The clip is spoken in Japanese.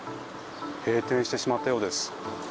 閉店してしまったようです。